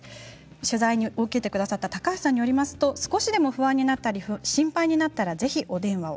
取材を受けてくださった高橋さんによりますと少しでも不安になったり心配になったら、ぜひお電話を。